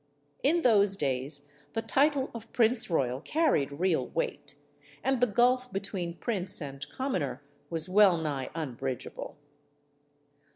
In those days the title of prince royal carried real weight, and the gulf between prince and commoner was well nigh unbridgeable.